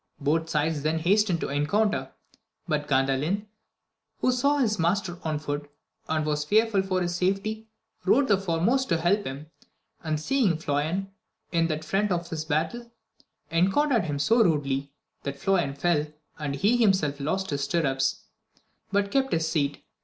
Both sides then hastened to encounter ; but Gandalin, who saw his master on foot, and was fearful for his safety, rode the foremost to help him, and seeing Floyan in the front of his battle encountered him so rudely, that Floyan fell, and he himself lost his stirrups, but kept his seat.